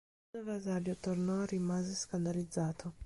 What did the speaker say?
Quando Vesalio tornò, rimase scandalizzato.